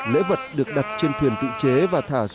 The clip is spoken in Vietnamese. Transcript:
lễ vật được đặt trên thuyền tự chế và thả cá